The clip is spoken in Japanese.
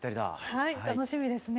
はい楽しみですね。